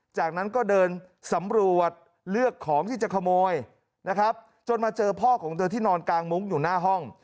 จากนั้นก็เดินสำรวจเลือกของที่จะขโมยนะครับจนมาเจอพ่อของเธอที่นอนกลางมุ้งอยู่หน้าห้อง